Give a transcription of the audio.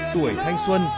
tuổi thanh xuân